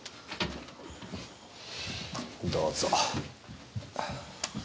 どうぞ。